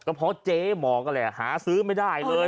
ก็เพราะเจ๊หมอนั่นแหละหาซื้อไม่ได้เลย